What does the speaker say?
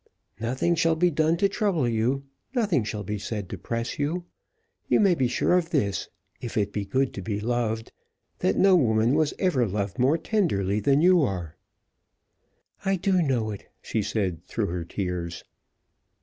"Nothing shall be done to trouble you; nothing shall be said to press you. You may be sure of this, if it be good to be loved, that no woman was ever loved more tenderly than you are." "I do know it," she said, through her tears.